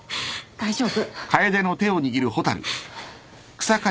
大丈夫。